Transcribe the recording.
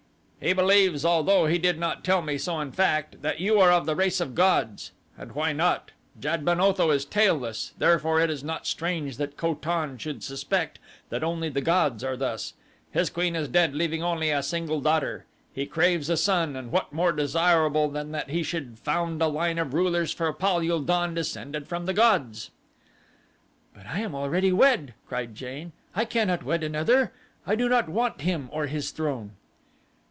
"He believes, although he did not tell me so in fact, that you are of the race of gods. And why not? Jad ben Otho is tailless, therefore it is not strange that Ko tan should suspect that only the gods are thus. His queen is dead leaving only a single daughter. He craves a son and what more desirable than that he should found a line of rulers for Pal ul don descended from the gods?" "But I am already wed," cried Jane. "I cannot wed another. I do not want him or his throne."